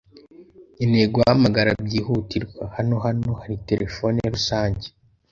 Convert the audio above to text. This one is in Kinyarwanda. Nkeneye guhamagara byihutirwa. Hano hano hari terefone rusange?